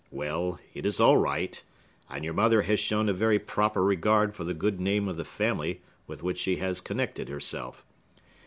Well, it is all right; and your mother has shown a very proper regard for the good name of the family with which she connected herself.